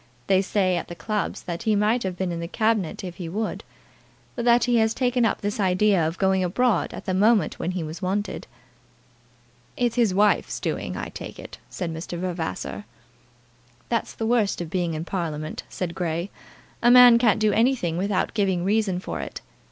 They say at the clubs that he might have been in the Cabinet if he would, but that he has taken up this idea of going abroad at the moment when he was wanted." "It's his wife's doing, I take it," said Mr. Vavasor. "That's the worst of being in Parliament," said Grey. "A man can't do anything without giving a reason for it.